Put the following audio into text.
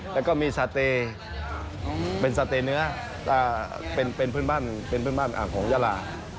แล้วก็มีสาเต้เป็นสาเต้เนื้อเป็นเพื่อนบ้านของยารา